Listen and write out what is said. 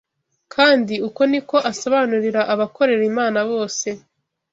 kandi uko ni ko asobanurira abakorera Imana bose